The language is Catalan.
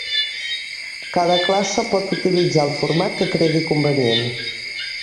Cada classe pot utilitzar el format que cregui convenient.